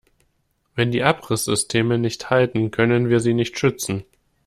Wenn die Abrisssysteme nicht halten, können wir sie nicht schützen.